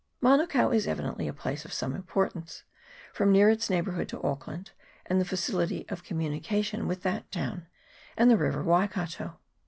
Manukao is evidently a place of some importance, from its near neighbourhood to Auckland, and the facility of communication with that town and the river Waikato.